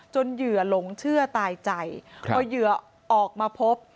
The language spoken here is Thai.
เหยื่อหลงเชื่อตายใจพอเหยื่อออกมาพบ